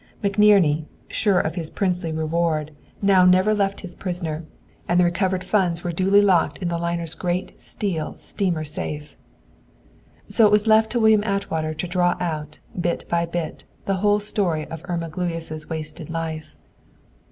McNerney, sure of his princely reward, now never left his prisoner, and the recovered funds were duly locked in the liner's great steel steamer safe. So it was left to William Atwater to draw out, bit by bit, the whole story of Irma Gluyas' wasted life.